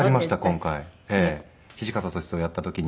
今回土方歳三やった時に。